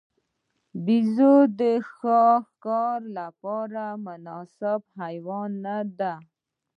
بیزو د ښکار لپاره مناسب حیوان نه دی.